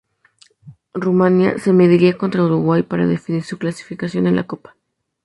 Rumania se mediría contra Uruguay para definir su clasificación en la copa.